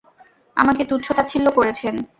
আমাকে তুচ্ছতাচ্ছিল্য করেছেন।